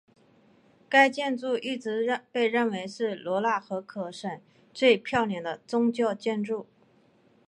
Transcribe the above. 该建筑一直被认为是罗讷河口省最漂亮的宗教建筑。